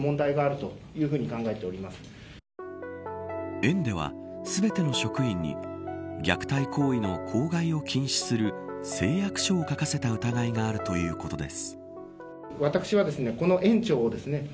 園では、全ての職員に虐待行為の口外を禁止する誓約書を書かせた疑いがあるということです。